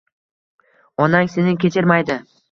Onang seni kechirmaydi